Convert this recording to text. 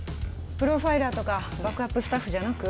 プロファイラーとかバックアップスタッフじゃなく？